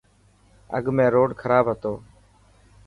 اڳ ۾ روڊ کراب هتو.